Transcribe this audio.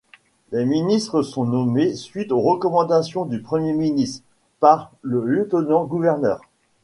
Les ministres sont nommés, suite aux recommandations du Premier ministre, par le Lieutenant-gouverneur.